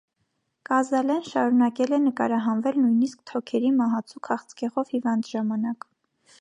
Կազալեն շարունակել է նկարահանվել նույնիսկ թոքերի մահացու քաղցկեղով հիվանդ ժամանակ։